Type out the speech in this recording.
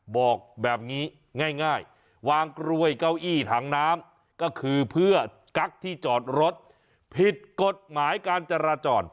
บอกแบบนี้ง่ายวางกลวยเก้าอี้ถังน้ำก็คือเพื่อกั๊กที่จอดรถผิดกฎหมายการจราจร